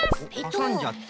はさんじゃった。